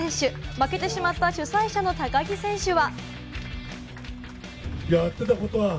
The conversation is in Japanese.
負けてしまった主催者の高木選手は。